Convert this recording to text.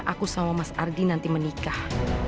aku sama mas ardi nanti menikah